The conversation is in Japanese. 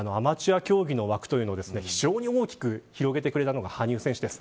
アマチュア競技の枠というのを非常に大きく広げてくれたのが羽生選手です。